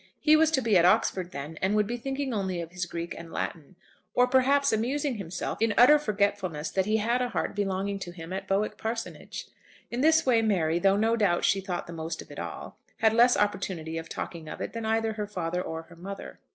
He was to be at Oxford then, and would be thinking only of his Greek and Latin, or perhaps amusing himself, in utter forgetfulness that he had a heart belonging to him at Bowick Parsonage. In this way Mary, though no doubt she thought the most of it all, had less opportunity of talking of it than either her father or her mother.